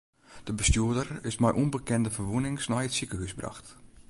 De bestjoerder is mei ûnbekende ferwûnings nei it sikehús brocht.